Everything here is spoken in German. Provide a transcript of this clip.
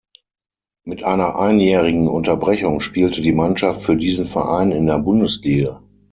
Mit einer einjährigen Unterbrechung spielte die Mannschaft für diesen Verein in der Bundesliga.